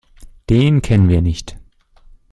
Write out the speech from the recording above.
Den kennen wir nicht.